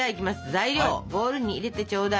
材料をボウルに入れてちょうだい。